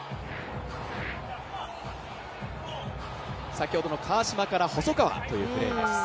先ほどの川島から細川というプレーです。